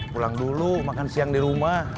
pulang dulu makan siang di rumah